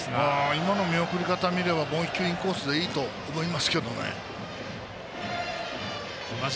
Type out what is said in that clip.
今の見送り方を見ればもう１球インコースでいいと思いますけどね。